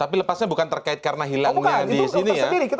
tapi lepasnya bukan terkait karena hilangnya di sini ya